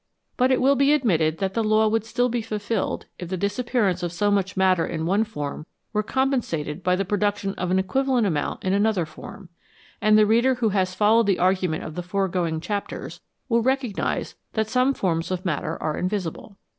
But it will be admitted that the law would still be fulfilled if the dis appearance of so much matter in one form were com pensated by the production of an equivalent amount in another form ; and the reader who has followed the argu ment of the foregoing chapters will recognise that some forms of matter are invisible.